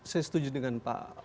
saya setuju dengan pak